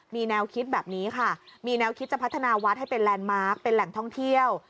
มีแนวคิดแบบนี้ค่ะมีแนวคิดจะพัฒนาวัดให้เป็นแลนดมาร์คเป็นแหล่งท่องเที่ยว